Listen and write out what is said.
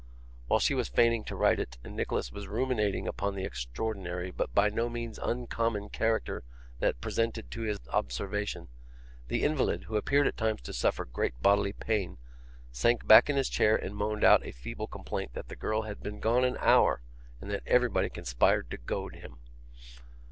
While she was feigning to write it, and Nicholas was ruminating upon the extraordinary but by no means uncommon character thus presented to his observation, the invalid, who appeared at times to suffer great bodily pain, sank back in his chair and moaned out a feeble complaint that the girl had been gone an hour, and that everybody conspired to goad him.